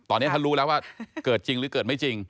ตอนนี้ท่านรู้แล้วว่าเกิดจริงหรือเกิดไม่จริง